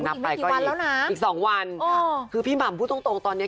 นับไปก็อีก๒วันคือพี่หม่ามพูดตรงตอนนี้